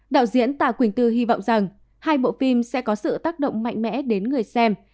đạo diễn tà quỳnh tư hy vọng rằng hai bộ phim sẽ có sự tác động mạnh mẽ đến người xem